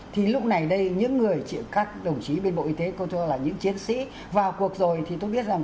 thì lúc này đây những người các đồng chí bên bộ y tế coi thường là những chiến sĩ vào cuộc rồi thì tôi biết rằng